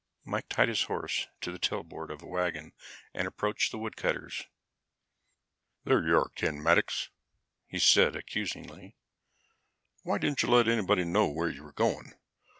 Mike tied his horse to the tailboard of a wagon and approached the woodcutters. "There you are, Ken Maddox," he said accusingly. "Why didn't you let somebody know where you were going?